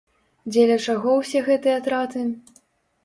Дзеля чаго ўсе гэтыя траты?